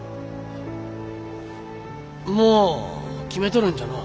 もう決めとるんじゃのお。